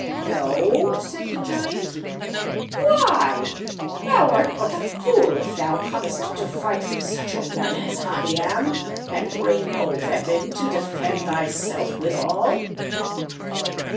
"No?" said the giant. "Why? Thou art but a fool if thou comest to fight with such a one as I am, and bring no weapon to defend thyself withal."